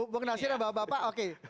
bu nasir bapak pak oke